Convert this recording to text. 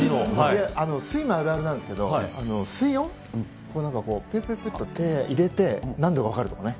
スイマーあるあるなんですけど、水温、ぴゅぴゅぴゅっと、手を入れて、何度か分かるとかね。